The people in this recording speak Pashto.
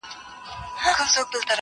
هغه بل وویل شنو ونو څه جفا کړې وه؟-